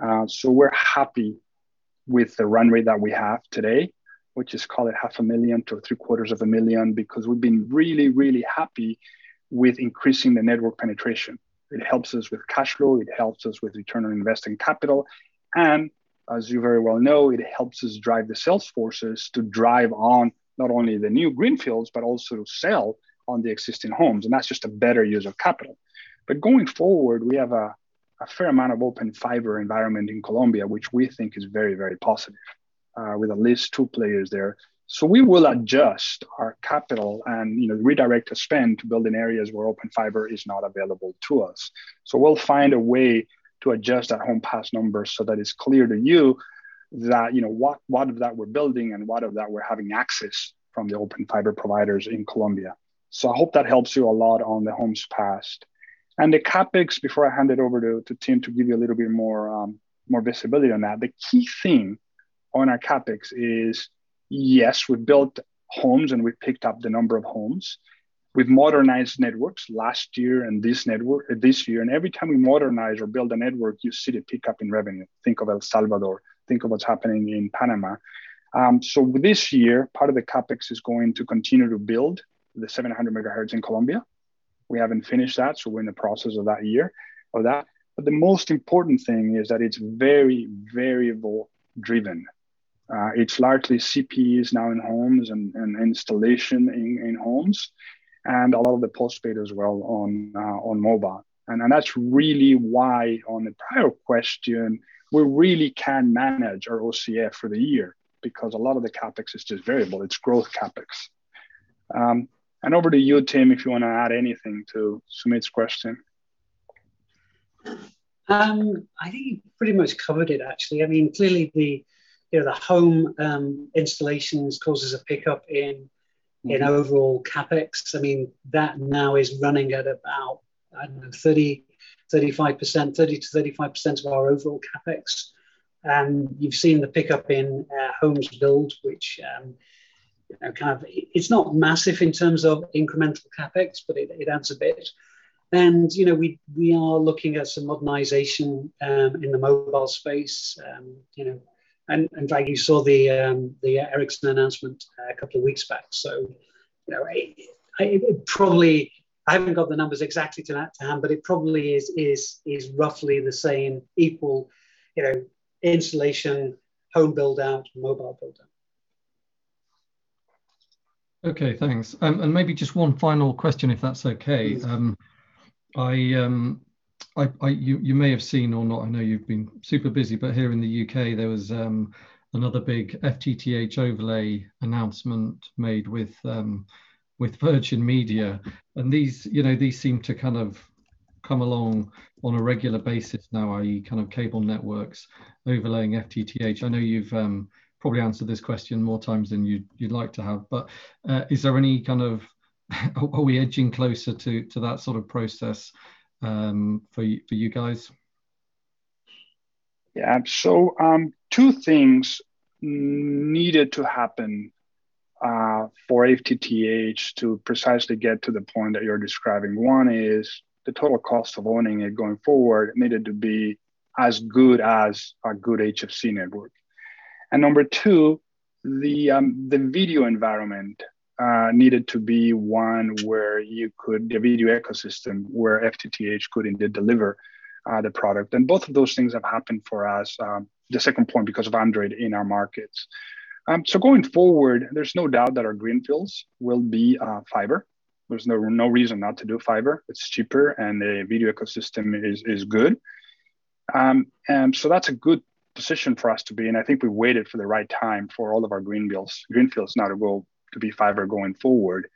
Soomit. We're happy with the run rate that we have today, which is, call it half a million to three quarters of a million, because we've been really happy with increasing the network penetration. It helps us with cash flow, it helps us with return on investing capital, and as you very well know, it helps us drive the sales forces to drive on not only the new greenfields, but also sell on the existing homes, and that's just a better use of capital. Going forward, we have a fair amount of open fiber environment in Colombia, which we think is very positive, with at least two players there. We will adjust our capital and redirect our spend to build in areas where open fiber is not available to us. We'll find a way to adjust that home pass number so that it's clear to you that what of that we're building and what of that we're having access from the open fiber providers in Colombia. I hope that helps you a lot on the homes passed. The CapEx, before I hand it over to Tim to give you a little bit more visibility on that, the key thing on our CapEx is, yes, we built homes and we picked up the number of homes. We've modernized networks last year and this year, every time we modernize or build a network, you see the pickup in revenue. Think of El Salvador, think of what's happening in Panama. This year, part of the CapEx is going to continue to build the 700 MHz in Colombia. We haven't finished that, we're in the process of that year of that. The most important thing is that it's very variable driven. It's largely CPEs now in homes and installation in homes and a lot of the postpaid as well on mobile. That's really why, on the prior question, we really can manage our OCF for the year, because a lot of the CapEx is just variable. It's growth CapEx. Over to you, Tim, if you want to add anything to Soomit's question. I think you pretty much covered it, actually. Clearly, the home installations causes a pickup in overall CapEx. That now is running at about, I don't know, 30%-35% of our overall CapEx. You've seen the pickup in homes build, which it's not massive in terms of incremental CapEx, but it adds a bit. We are looking at some modernization in the mobile space. You saw the Ericsson announcement a couple of weeks back, so probably I haven't got the numbers exactly to that, Tim, but it probably is roughly the same equal installation, home build-out, mobile build-out. Okay, thanks. Maybe just one final question, if that's okay. Please. You may have seen or not, I know you've been super busy, but here in the U.K., there was another big FTTH overlay announcement made with Virgin Media, and these seem to kind of come along on a regular basis now, i.e., cable networks overlaying FTTH. I know you've probably answered this question more times than you'd like to have, but are we edging closer to that sort of process for you guys? Yeah. Two things needed to happen for FTTH to precisely get to the point that you're describing. One is the total cost of owning it going forward needed to be as good as a good HFC network. Number two, the video ecosystem where FTTH could indeed deliver the product. Both of those things have happened for us, the second point, because of Android in our markets. Going forward, there's no doubt that our greenfields will be fiber. There's no reason not to do fiber. It's cheaper, and the video ecosystem is good. That's a good position for us to be in. I think we waited for the right time for all of our greenfields now to be fiber going forward.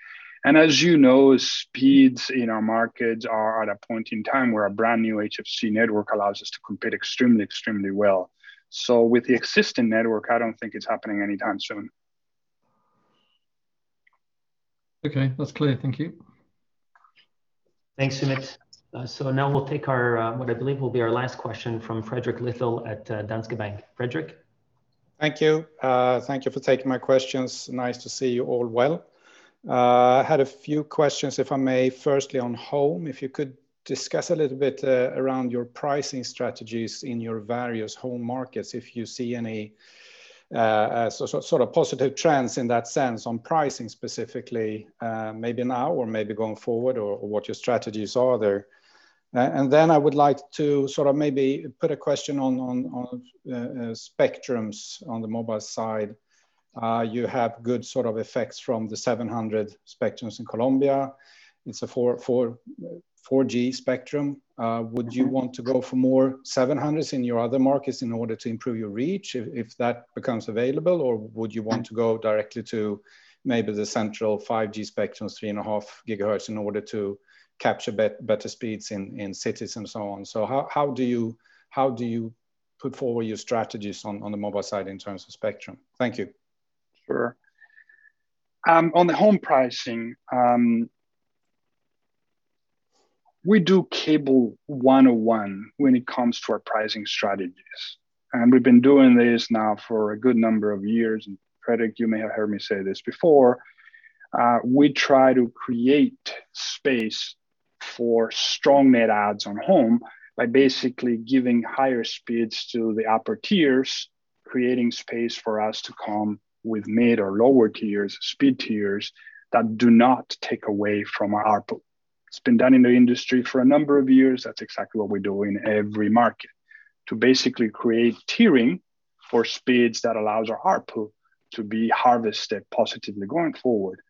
As you know, speeds in our markets are at a point in time where a brand new HFC network allows us to compete extremely well. With the existing network, I don't think it's happening anytime soon. Okay. That's clear. Thank you. Thanks, Soomit. Now we'll take what I believe will be our last question from Fredrik Lytle at Danske Bank. Fredrik? Thank you. Thank you for taking my questions. Nice to see you all well. I had a few questions, if I may. Firstly, on home, if you could discuss a little bit around your pricing strategies in your various home markets, if you see any sort of positive trends in that sense on pricing specifically, maybe now or maybe going forward, or what your strategies are there. I would like to maybe put a question on spectrums on the mobile side. You have good sort of effects from the 700 spectrums in Colombia. It's a 4G spectrum. Would you want to go for more 700s in your other markets in order to improve your reach if that becomes available, or would you want to go directly to maybe the central 5G spectrums, 3.5 GHz, in order to capture better speeds in cities and so on. How do you put forward your strategies on the mobile side in terms of spectrum? Thank you. Sure. On the home pricing, we do cable 101 when it comes to our pricing strategies. We've been doing this now for a good number of years. Fredrik, you may have heard me say this before. We try to create space for strong net adds on home by basically giving higher speeds to the upper tiers, creating space for us to come with mid or lower tiers, speed tiers, that do not take away from our ARPU. It's been done in the industry for a number of years. That's exactly what we do in every market to basically create tiering for speeds that allows our ARPU to be harvested positively going forward.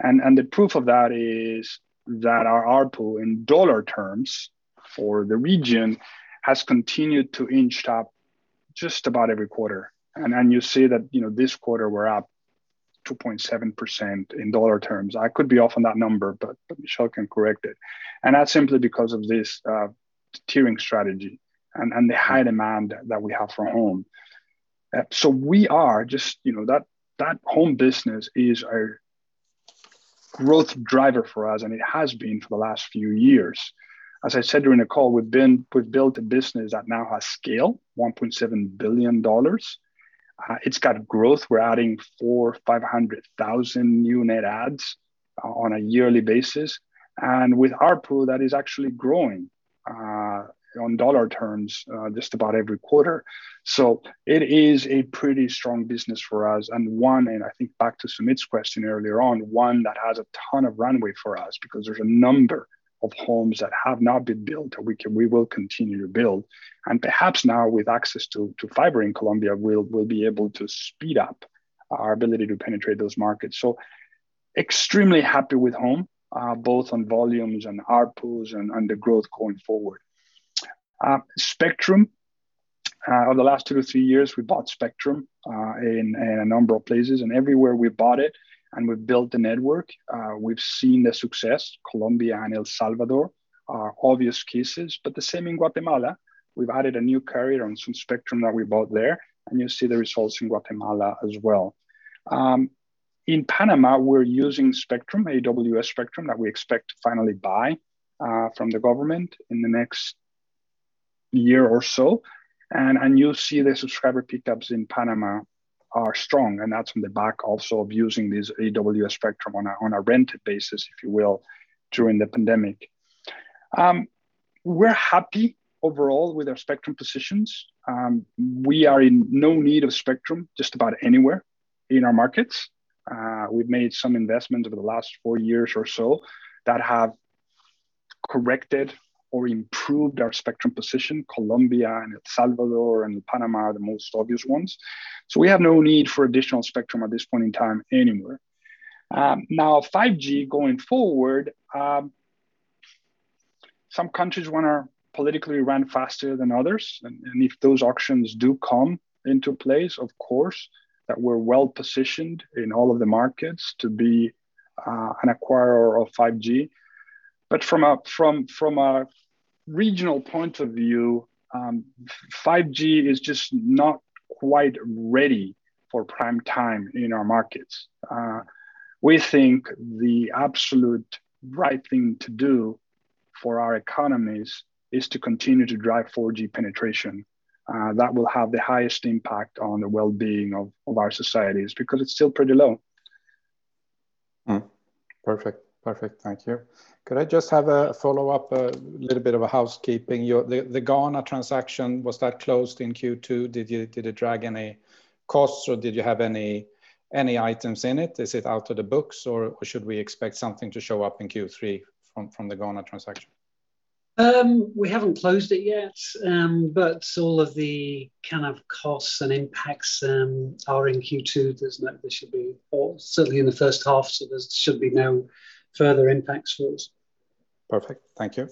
The proof of that is that our ARPU, in dollar terms for the region, has continued to inch up just about every quarter. You see that this quarter we're up 2.7% in dollar terms. I could be off on that number, but Michel can correct it. That's simply because of this tiering strategy and the high demand that we have for home. That home business is a growth driver for us, and it has been for the last few years. As I said during the call, we've built a business that now has scale, $1.7 billion. It's got growth. We're adding four or 500,000 new net adds on a yearly basis. With ARPU, that is actually growing on dollar terms just about every quarter. It is a pretty strong business for us, and one, and I think back to Soomit's question earlier on, one that has a ton of runway for us because there's a number of homes that have not been built that we will continue to build. Perhaps now with access to fiber in Colombia, we'll be able to speed up our ability to penetrate those markets. Extremely happy with home, both on volumes and ARPU and the growth going forward. Spectrum, over the last two to three years, we bought spectrum in a number of places. Everywhere we bought it and we've built the network, we've seen the success. Colombia and El Salvador are obvious cases, but the same in Guatemala. We've added a new carrier on some spectrum that we bought there, and you'll see the results in Guatemala as well. In Panama, we're using spectrum, AWS spectrum, that we expect to finally buy from the government in the next year or so. You'll see the subscriber pickups in Panama are strong, and that's on the back also of using this AWS spectrum on a rented basis, if you will, during the pandemic. We're happy overall with our spectrum positions. We are in no need of spectrum just about anywhere in our markets. We've made some investments over the last four years or so that have corrected or improved our spectrum position. Colombia and El Salvador and Panama are the most obvious ones. We have no need for additional spectrum at this point in time anywhere. 5G going forward, some countries want to politically run faster than others. If those auctions do come into place, of course, that we're well-positioned in all of the markets to be an acquirer of 5G. From a regional point of view, 5G is just not quite ready for prime time in our markets. We think the absolute right thing to do for our economies is to continue to drive 4G penetration. That will have the highest impact on the wellbeing of our societies, because it's still pretty low. Perfect. Thank you. Could I just have a follow-up, a little bit of a housekeeping? The Ghana transaction, was that closed in Q2? Did it drag any costs, or did you have any items in it? Is it out of the books, or should we expect something to show up in Q3 from the Ghana transaction? We haven't closed it yet, but all of the costs and impacts are in Q2. There should be, or certainly in the first half, so there should be no further impacts for us. Perfect. Thank you.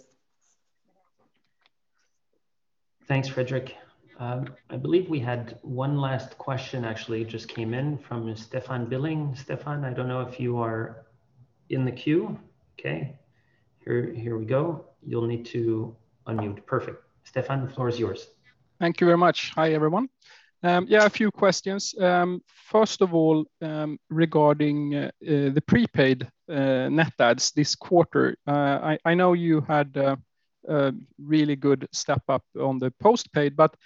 Thanks, Fredrik. I believe we had one last question actually just came in from Stefan Billing. Stefan, I don't know if you are in the queue. Okay. Here we go. You'll need to unmute. Perfect. Stefan, the floor is yours. Thank you very much. Hi, everyone. Yeah, a few questions. First of all, regarding the prepaid net adds this quarter. I know you had a really good step up on the postpaid, but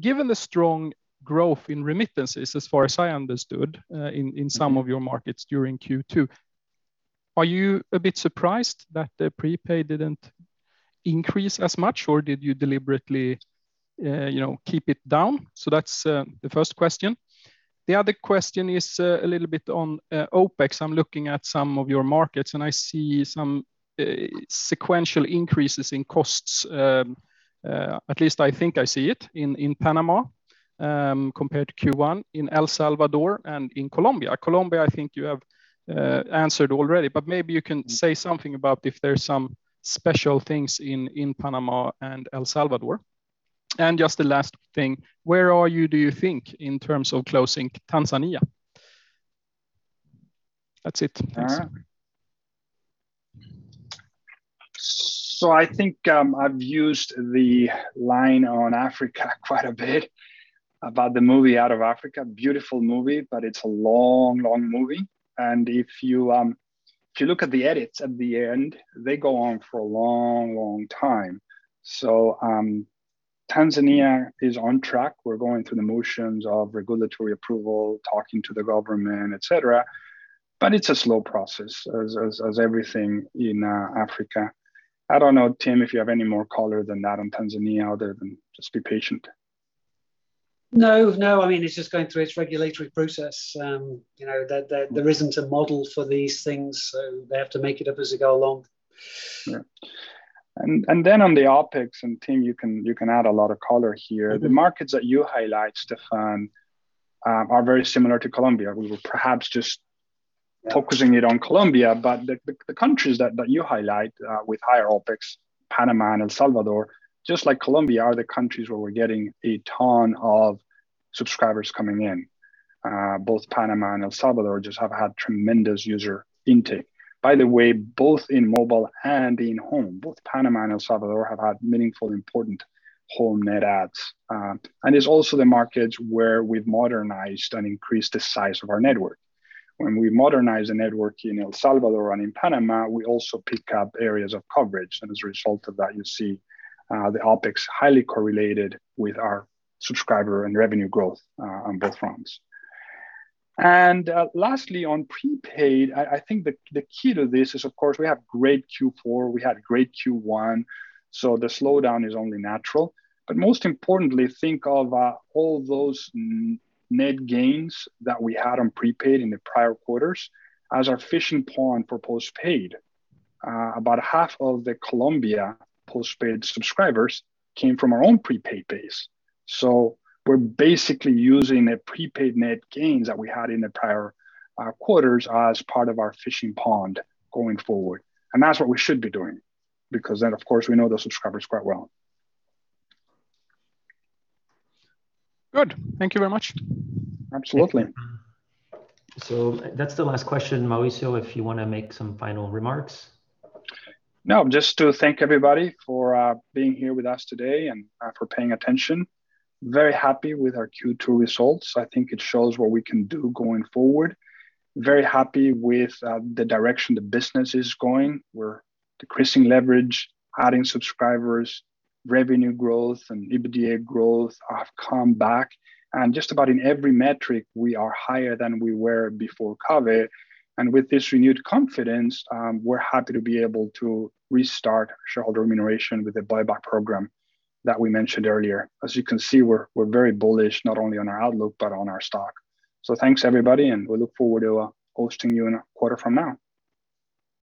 given the strong growth in remittances, as far as I understood in some of your markets during Q2, are you a bit surprised that the prepaid didn't increase as much, or did you deliberately keep it down? That's the first question. The other question is a little bit on OpEx. I'm looking at some of your markets, and I see some sequential increases in costs. At least I think I see it in Panama, compared to Q1, in El Salvador and in Colombia. Colombia, I think you have answered already, but maybe you can say something about if there's some special things in Panama and El Salvador. Just the last thing, where are you, do you think, in terms of closing Tanzania? That's it. Thanks. I think I've used the line on Africa quite a bit about the movie "Out of Africa." Beautiful movie, but it's a long movie. If you look at the edits at the end, they go on for a long time. Tanzania is on track. We're going through the motions of regulatory approval, talking to the government, et cetera, but it's a slow process, as everything in Africa. I don't know, Tim, if you have any more color than that on Tanzania other than just be patient. No, I mean, it's just going through its regulatory process. There isn't a model for these things. They have to make it up as they go along. Yeah. On the OpEx, and Tim, you can add a lot of color here. The markets that you highlight, Stefan, are very similar to Colombia. We were perhaps just focusing it on Colombia. The countries that you highlight with higher OpEx, Panama and El Salvador, just like Colombia, are the countries where we're getting a ton of subscribers coming in. Both Panama and El Salvador just have had tremendous user intake. By the way, both in mobile and in home. Both Panama and El Salvador have had meaningful, important home net adds. It's also the markets where we've modernized and increased the size of our network. When we modernize the network in El Salvador and in Panama, we also pick up areas of coverage. As a result of that, you see the OpEx highly correlated with our subscriber and revenue growth on both fronts. Lastly, on prepaid, I think the key to this is, of course, we have great Q4. We had great Q1. The slowdown is only natural. Most importantly, think of all those net gains that we had on prepaid in the prior quarters as our fishing pond for postpaid. About half of the Colombia postpaid subscribers came from our own prepaid base. We're basically using the prepaid net gains that we had in the prior quarters as part of our fishing pond going forward. That's what we should be doing, because then, of course, we know those subscribers quite well. Good. Thank you very much. Absolutely. That's the last question. Mauricio, if you want to make some final remarks. Just to thank everybody for being here with us today and for paying attention. Very happy with our Q2 results. I think it shows what we can do going forward. Very happy with the direction the business is going. We're decreasing leverage, adding subscribers, revenue growth, and EBITDA growth have come back. Just about in every metric, we are higher than we were before COVID. With this renewed confidence, we're happy to be able to restart shareholder remuneration with a buyback program that we mentioned earlier. As you can see, we're very bullish, not only on our outlook, but on our stock. Thanks, everybody, and we look forward to hosting you in a quarter from now.